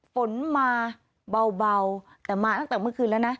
ฝนมาเบาแต่มาตั้งแต่เมื่อคืนแล้วนะ